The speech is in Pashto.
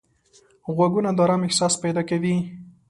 غوږونه د آرام احساس پیدا کوي